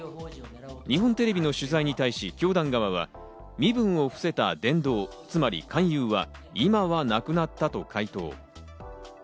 日本テレビの取材に対し、教団側は身分を伏せた伝道、つまり勧誘は今はなくなったと回答。